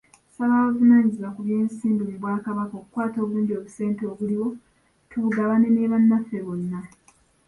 Nsaba abavunaanyizibwa ku by'ensimbi mu bwa kabaka okukwata obulungi obusente obuliwo tubugabane ne bannaffe bonna.